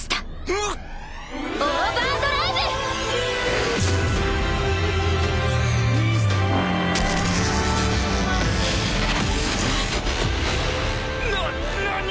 んっ⁉オーバードライブ‼な何⁉